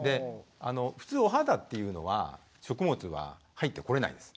普通お肌っていうのは食物は入ってこれないんです。